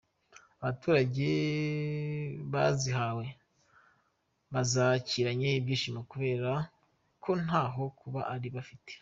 Abaturage bazihawe bazakiranye ibyishimo kubera ko ntaho kuba bari bafite.